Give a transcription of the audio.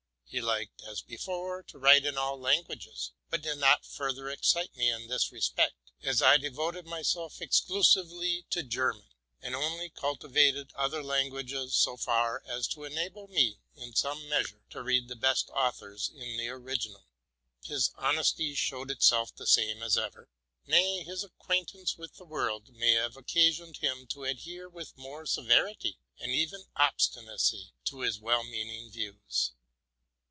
He liked, as before, to write in all languages, but did not further excite me in this respect, as I devoted myself exclusively to German, and only cultivated other languages so far as to enable me, in some measure, to read the best authors in the original. His honesty showed itself the same as ever; nay, his acquaintance with the world may have oc casioned him to adhere with more severity and even obstinacy to his well meaning views.